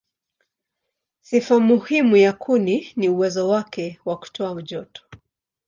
Sifa muhimu ya kuni ni uwezo wake wa kutoa joto.